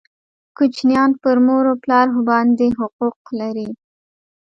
کوچنیان پر مور او پلار باندي حقوق لري